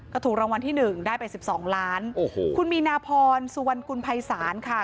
ก็ถูกรางวัลที่๑ได้ไป๑๒ล้านคุณมีนาพรสุวรรคุณภัยศาลค่ะ